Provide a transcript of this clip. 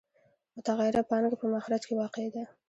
متغیره پانګه په مخرج کې واقع ده